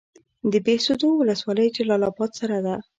د بهسودو ولسوالۍ جلال اباد سره ده